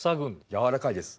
柔らかいです。